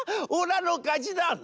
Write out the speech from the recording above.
おらのかちだ！」。